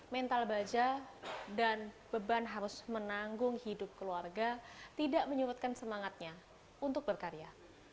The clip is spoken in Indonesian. mental baja dan beban harus menanggung hidup keluarga tidak menyurutkan semangatnya untuk berkarya